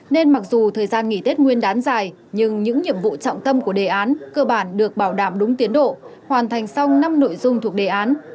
nên mặc dù thời gian nghỉ tết nguyên đán dài nhưng những nhiệm vụ trọng tâm của đề án cơ bản được bảo đảm đúng tiến độ hoàn thành xong năm nội dung thuộc đề án